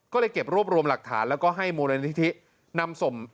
ก็เลยเก็บรวบรวมหลักฐานแล้วก็ให้มูลนิธินำส่ง